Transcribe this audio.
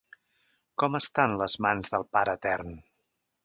Com estan les mans del Pare Etern?